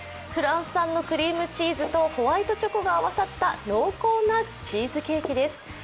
フランス産のクリームチーズとホワイトチョコが合わさった濃厚なチーズケーキです。